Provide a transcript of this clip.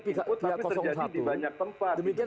pihak satu demikian